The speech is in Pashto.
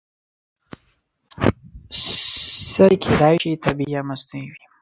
سرې کیدای شي طبیعي او یا مصنوعي وي.